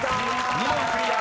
［２問クリア！